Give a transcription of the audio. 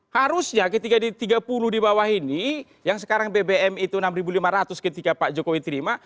harusnya ketika di tiga puluh di bawah ini yang sekarang bbm itu enam lima ratus ketika pak jokowi terima